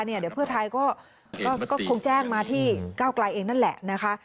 เดี๋ยวเพื่อไทยก็คงแจ้งมาที่เก้าไกลเองนั่นแหละนะคะ